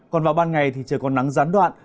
còn vào ban ngày thì trời còn nắng gián đoạn